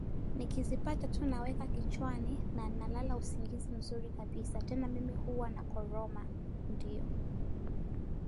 Nikizipata tu naweka kichwani na nalala usingizi mzuri kabisa Tena mimi huwa nakoroma Ndio